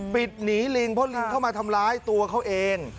ปิดหนีลิงเพราะลิงเข้ามาทำร้ายตัวเขาเอง